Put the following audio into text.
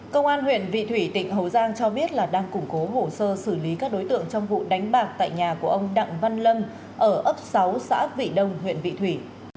công an huyện vị thủy tỉnh hậu giang cho biết là đang củng cố hồ sơ xử lý các đối tượng trong vụ đánh bạc tại nhà của ông đặng văn lâm ở ấp sáu xã vị đông huyện vị thủy